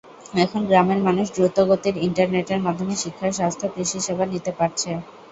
এখন গ্রামের মানুষ দ্রুতগতির ইন্টারনেটের মাধ্যমে শিক্ষা, স্বাস্থ্য, কৃষিসেবা নিতে পারছে।